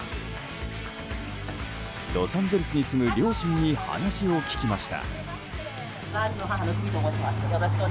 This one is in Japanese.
ロサンゼルスに住む両親に話を聞きました。